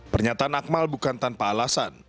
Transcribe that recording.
pernyataan akmal bukan tanpa alasan